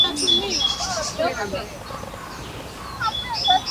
Bonde la Ziwa Victoria ndani yake kuna Ziwa Victoria ambalo ni ziwa kubwa